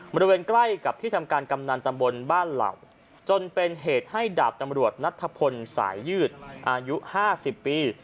บริเวณใกล้กับที่ทำการกำนันตำบลบ้านเหล่าจนเป็นเหตุให้ดาบตำรวจนัทธพลสายยืดอายุ๕๐ปี